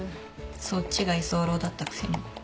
そっちが居候だったくせに。